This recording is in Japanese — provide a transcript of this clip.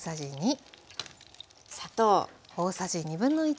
砂糖。